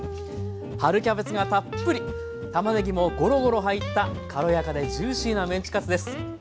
春キャベツがたっぷりたまねぎもゴロゴロ入った軽やかでジューシーなメンチカツです。